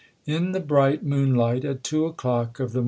In the bright moonlight at two o'clock of the 1861.